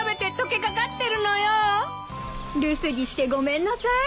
留守にしてごめんなさい。